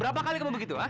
berapa kali kamu begitu ya